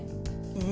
え？